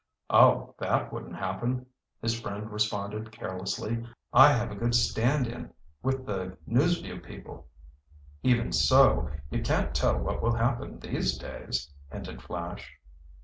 "Oh, that wouldn't happen," his friend responded carelessly. "I have a good stand in with the News Vue people." "Even so, you can't tell what will happen these days," hinted Flash.